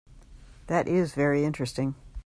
That is very interesting.